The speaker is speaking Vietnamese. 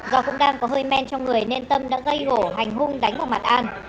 do cũng đang có hơi men trong người nên tâm đã gây hổ hành hung đánh vào mặt an